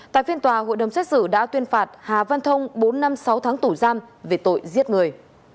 tại phiên tòa hội đồng xét xử đã tuyên phạt hà văn thông bốn năm sáu tháng tù giam về tội giết người